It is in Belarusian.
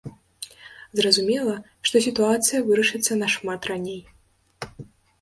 Зразумела, што сітуацыя вырашыцца нашмат раней.